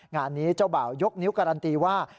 งานนี้เจ้าบ่าวยกนิ้วการันตีว่า